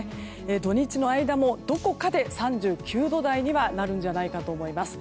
土日の間もどこかで３９度台にはなるんじゃないかと思います。